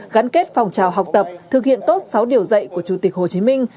gắn kết phòng trào học tập thực hiện tốt sáu điều dạy của chủ tịch hồ chí minh